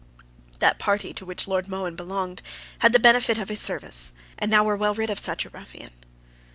That party to which Lord Mohun belonged had the benefit of his service, and now were well rid of such a ruffian.